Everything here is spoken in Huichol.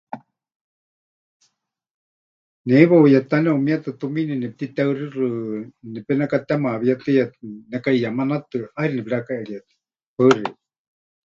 Ne heiwa huyetá neʼumietɨ tumiini neputiteɨxixɨ, nepenekatemaawíetɨya nekaʼiyemanatɨ, ʼaixɨ nepɨrekaʼeríetɨya. Paɨ xeikɨ́a.